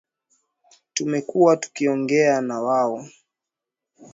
Tumekuwa tukiongea na wao